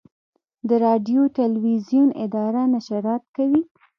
د راډیو تلویزیون اداره نشرات کوي